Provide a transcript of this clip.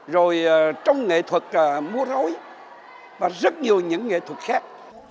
rồi trong nghệ thuật múa rối và rất nhiều những nghệ thuật khác